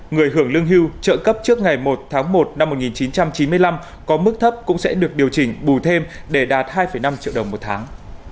người hưởng lương hưu trợ cấp trước ngày một tháng một năm một nghìn chín trăm chín mươi năm có mức thấp cũng sẽ được điều chỉnh bù thêm để đạt hai năm triệu đồng một tháng